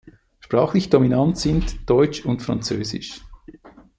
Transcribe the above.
Sprachlich dominant sind Deutsch und Französisch.